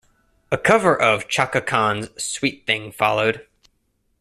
A cover of Chaka Khan's "Sweet Thing" followed.